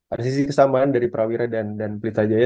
ada sisi kesamaan dari prawira dan pelita jaya